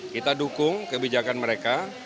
kita dukung kebijakan mereka